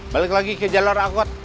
balik lagi ke jalur angkut